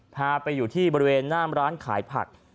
พาไปอยู่ที่บริเวณหน้ามร้านขายผัก